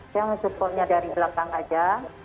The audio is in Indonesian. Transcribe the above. saya supportnya dari belakang aja